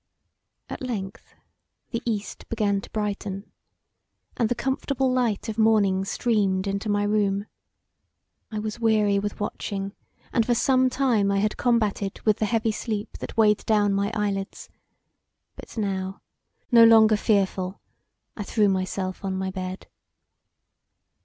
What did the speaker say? At length the east began to brighten, and the comfortable light of morning streamed into my room. I was weary with watching and for some time I had combated with the heavy sleep that weighed down my eyelids: but now, no longer fearful, I threw myself on my bed.